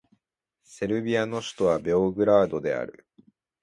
セルビアの首都はベオグラードである